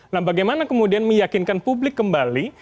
nah bagaimana kemudian meyakinkan publik kembali